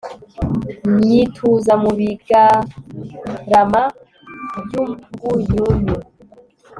nyituza mu bigarama by'urwunyunyu